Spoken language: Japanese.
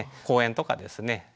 公園とかですね